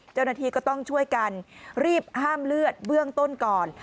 เจ้าหน้าที่ก็ต้องช่วยกันรีบห้ามเลือดเบื้องต้นก่อน